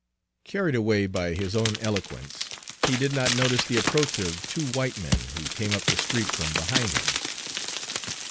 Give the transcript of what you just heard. Carried away by his own eloquence, he did not notice the approach of two white men who came up the street from behind him.